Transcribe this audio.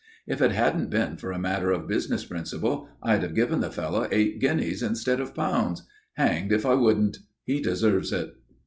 If it hadn't been for a matter of business principle I'd have given the fellow eight guineas instead of pounds hanged if I wouldn't! He deserves it."